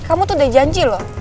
kamu tuh udah janji loh